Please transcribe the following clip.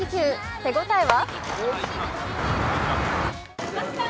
手応えは？